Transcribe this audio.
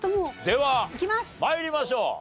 では参りましょう。